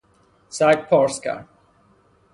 سگ پارس کرد.